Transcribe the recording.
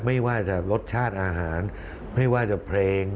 ไม่ว่าจะรสชาติอาหารไม่ว่าจะเพลง